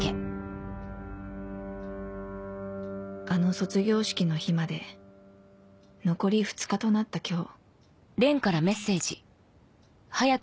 あの卒業式の日まで残り２日となった今日